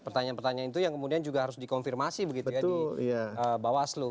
pertanyaan pertanyaan itu yang kemudian juga harus dikonfirmasi begitu ya di bawaslu